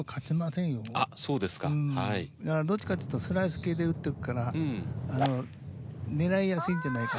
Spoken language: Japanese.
だからどっちかというとスライス系で打ってくからあの狙いやすいんじゃないかな。